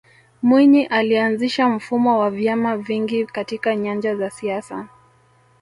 mwinyi alianzisha mfumo wa vyama vingi katika nyanja ya siasa